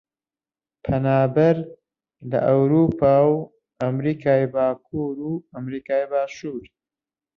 پەنابەر لە ئەورووپا و ئەمریکای باکوور و ئەمریکای باشوور